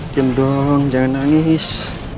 diam dong jangan nangis